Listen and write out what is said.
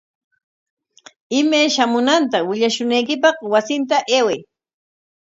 Imay shamunanta willashunaykipaq wasinta ayway.